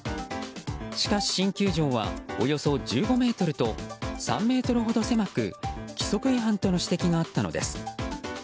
しかし、新球場はおよそ１５ｍと３ｍほど狭く規則違反との指摘があったのです。